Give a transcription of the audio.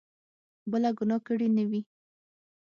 بله ګناه کړې نه وي.